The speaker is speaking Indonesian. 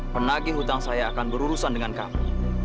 penagih hutang saya akan berurusan dengan kami